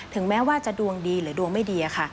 แม้ว่าจะดวงดีหรือดวงไม่ดีค่ะ